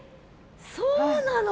そうなの？